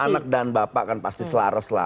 anak dan bapak kan pasti selaras lah